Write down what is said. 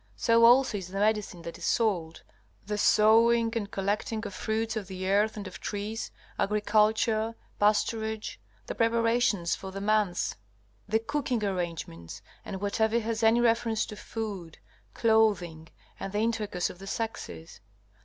So also is the medicine that is sold, the sowing and collecting of fruits of the earth and of trees, agriculture, pasturage, the preparations for the months, the cooking arrangements, and whatever has any reference to food, clothing, and the intercourse of the sexes.